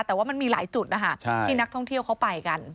แต่ว่ามันมีหลายจุดนะคะที่นักท่องเที่ยวเขาไปกัน